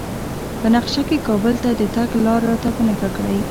په نقشه کې کابل ته د تګ لار راته په نښه کړئ